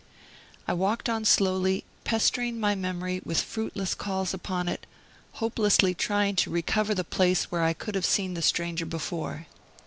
I walked on slowly, pestering my memory with fruitless calls upon it, hopelessly trying to recover the place where I could have seen the stranger before.